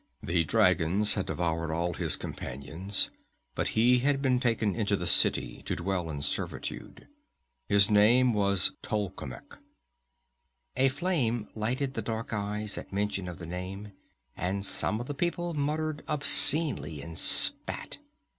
The dragons had devoured all his companions, but he had been taken into the city to dwell in servitude. His name was Tolkemec." A flame lighted the dark eyes at mention of the name, and some of the people muttered obscenely and spat.